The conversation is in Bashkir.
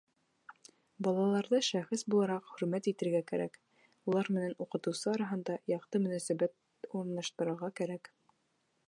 Балаларҙы шәхес булараҡ хөрмәт итәргә кәрәк, улар менән уҡытыусы араһында яҡты мөнәсәбәт урынлаштырырға кәрәк.